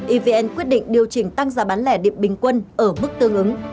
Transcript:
evn quyết định điều chỉnh tăng giá bán lẻ điện bình quân ở mức tương ứng